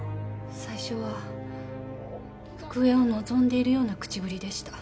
最初は復縁を望んでいるような口ぶりでした。